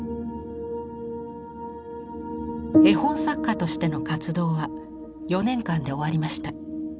絵本作家としての活動は４年間で終わりました。